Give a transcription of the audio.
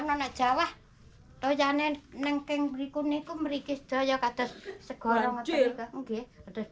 kalau jawa kalau hujan yang berikan nih kok berikan saja ya kata seorang atau tiga